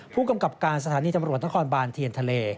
ผู้กำกับการสถานีตำรวจนครบานเทียนทะเล